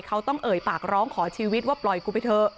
เขาต้องเอ่ยปากร้องขอชีวิตว่าปล่อยกูไปเถอะ